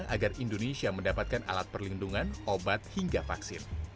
agar indonesia mendapatkan alat perlindungan obat hingga vaksin